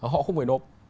họ không phải nộp